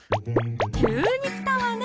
急に来たわね